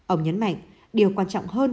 ông nhấn mạnh điều quan trọng hơn